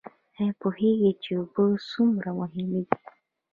ایا پوهیږئ چې اوبه څومره مهمې دي؟